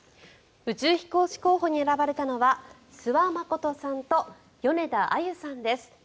宇宙飛行士候補に選ばれたのは諏訪理さんと米田あゆさんです。